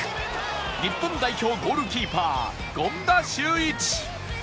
日本代表ゴールキーパー権田修一